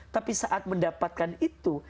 tapi saat mendapatkan itu